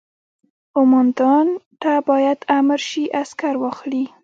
قوماندان ته باید امر شي عسکر واخلي.